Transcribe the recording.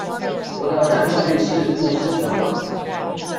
我的戰鬥力是五十三萬